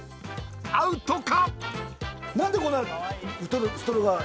アウトか⁉］